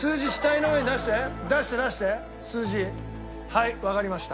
はいわかりました。